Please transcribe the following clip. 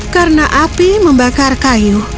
karena api membakar kayu